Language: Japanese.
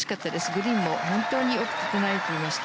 グリーンも本当によく整っていました。